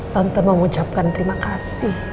tante mau ucapkan terima kasih